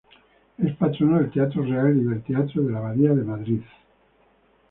Es patrono del Teatro Real y del Teatro de La Abadía de Madrid.